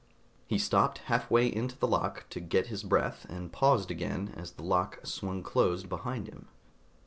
He stopped halfway into the lock to get his breath, and paused again as the lock swung closed behind him.